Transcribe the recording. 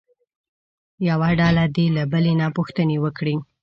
یوه ډله دې له بلې نه پوښتنې وکړي.